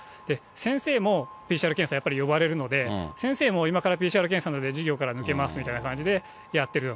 先生もＰＣＲ検査、やっぱり呼ばれるので、先生も今からＰＣＲ検査なので、授業から抜けますみたいな感じでやってる。